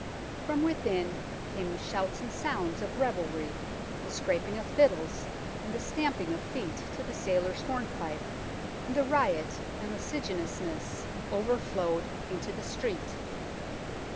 From within came the shouts and sounds of revelry, the scraping of fiddles and the stamping of feet to the sailors' hornpipe, and the riot and licentiousness over flowed into the street.